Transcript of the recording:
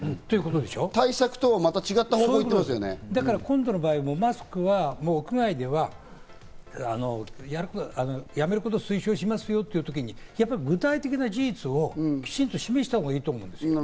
対策とまた違った方向に行っ今回の場合も、マスクは屋外ではやめることを推奨しますよというときに、具体的な事実をきちんと示したほうがいいと思います。